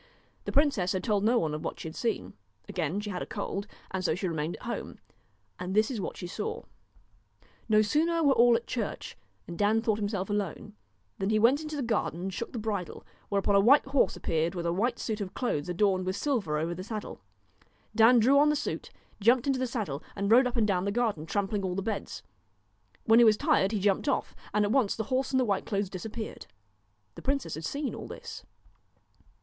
The princess had told no one of what she had seen. Again she had a cold, and so she remained at home. And this is what she saw : No sooner were all at church, and Dan thought himself alone, than he went into the garden and shook the bridle, whereupon a white horse 138 appeared with a white suit of clothes adorned DON'T with silver over the saddle. Dan drew on the suit, KNOW jumped into the saddle and rode up and down the garden trampling all the beds. When he was tired he jumped off, and at once the horse and the white clothes disappeared. The princess had seen all this.